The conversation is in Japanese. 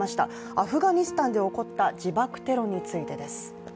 アフガニスタンで起こった自爆テロについてです。